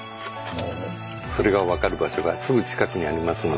それが分かる場所がすぐ近くにありますので。